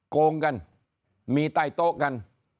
โกงกันมีใต้โต๊ะกัน